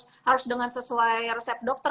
jadi harus dengan sesuai resep dokter